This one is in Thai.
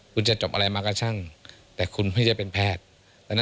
คุณจะจบอะไรมาก็ช่างแต่คุณไม่ได้เป็นแพทย์